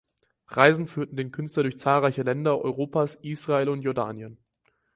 Reisen führten den Künstler durch zahlreiche Länder Europas, Israel und Jordanien.